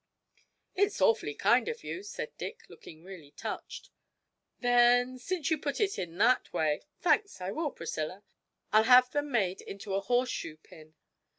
'It's awfully kind of you,' said Dick, looking really touched. 'Then since you put it in that way thanks, I will, Priscilla. I'll have them made into a horse shoe pin.'